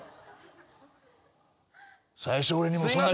最初俺にもそんな。